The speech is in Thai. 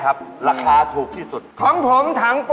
ราคาถูกจริง